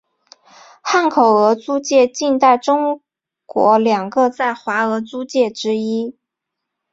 汉口俄租界近代中国两个在华俄租界之一。